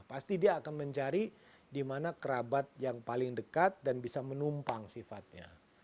pasti dia akan mencari di mana kerabat yang paling dekat dan bisa menumpang sifatnya